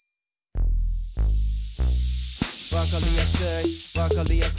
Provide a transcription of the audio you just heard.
「わかりやすいわかりやすい」